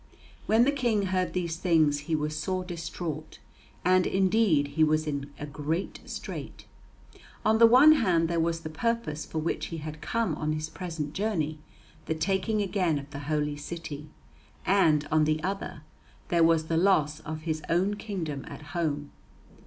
When the King heard these things he was sore distraught. And indeed he was in a great strait. On the one hand there was the purpose for which he had come on his present journey, the taking again of the Holy City; and, on the other, there was the loss of his own kingdom at home.